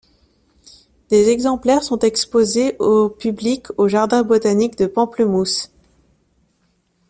Des exemplaires sont exposés au public au jardin botanique de Pamplemousses.